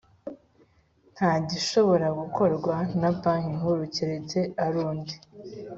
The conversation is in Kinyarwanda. Nta gishobora gukorwa na Banki Nkuru keretse arundi